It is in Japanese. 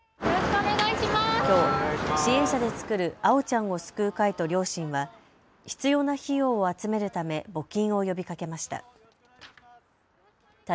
きょう、支援者で作るあおちゃんを救う会と両親は必要な費用を集めるため募金を呼びかけました。